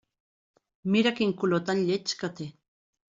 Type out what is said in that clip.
Mira quin color tan lleig que té!